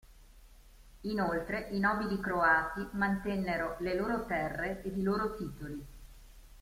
Inoltre, i nobili croati mantennero le loro terre ed i loro titoli.